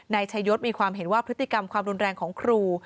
นายชายศมีความเห็นว่าพฤติกรรมความรุนแรงของครู